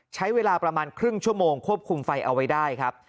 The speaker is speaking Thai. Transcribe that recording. ใช้เวลาประมาณครึ่งชั่วโมงควบคุมไฟเอาไว้ได้ครับ